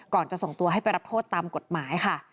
จะส่งตัวให้ไปรับโทษตามกฎหมายค่ะ